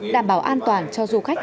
điều hành động của bác hồ